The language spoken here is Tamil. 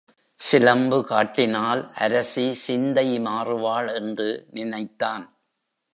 சிலம்பு காட்டினால் அரசி சிந்தை மாறுவாள் என்று நினைத்தான்.